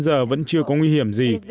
giờ vẫn chưa có nguy hiểm gì